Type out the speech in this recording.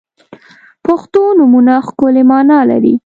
• پښتو نومونه ښکلی معنا لري.